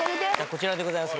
こちらでございます。